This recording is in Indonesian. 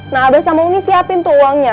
nah abah sama umi siapin tuh uangnya